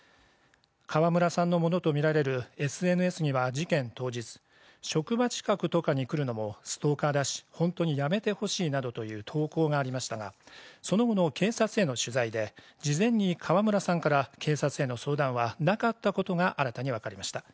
川村さんのものとみられるＳＮＳには事件当日、職場近くとかに来るのもストーカーだし、本当にやめてほしいなどという投稿がありましたが、その後の警察への取材で事前に川村さんから警察への相談はなかったことが新たにわかりました。